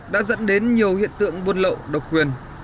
đã dẫn đến nhiều hiện tượng buôn lậu độc quyền